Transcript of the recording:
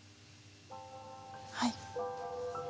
はい。